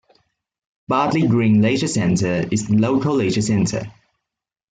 Bartley Green Leisure Centre is the local leisure centre.